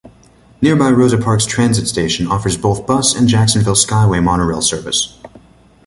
Nearby Rosa Parks Transit Station offers both bus and Jacksonville Skyway monorail service.